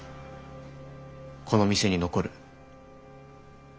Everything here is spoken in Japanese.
この店に残る。